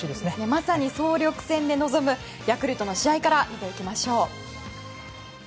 まさに総力戦で臨むヤクルトの試合から見ていきましょう。